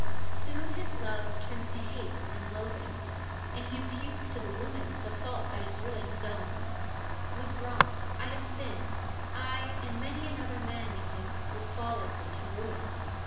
Soon his love turns to hate and loathing, and he imputes to the woman the fault that is really his own :'/ was wronged, I have sinned. Aye ! and many another man, methinks, will fall like me to ruin.'